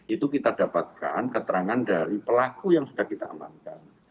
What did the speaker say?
itu kita dapatkan keterangan dari pelaku yang sudah kita amankan